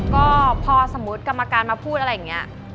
ก็พอสมมุติกรรมการมาพูดอะไรอย่างนี้